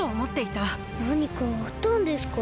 なにかあったんですか？